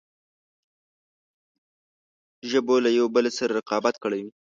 ژبو له یوه بل سره رقابت کړی وي.